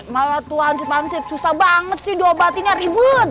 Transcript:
malah tuh hansip hansip susah banget sih diobatinnya ribut